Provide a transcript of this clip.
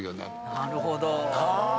なるほど。